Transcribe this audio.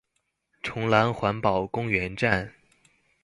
崇蘭環保公園站